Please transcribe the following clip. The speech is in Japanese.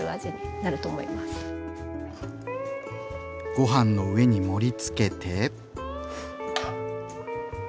ご飯の上に盛りつけて。